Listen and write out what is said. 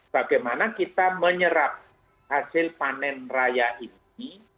bagaimana kita menyerap hasil panen raya ini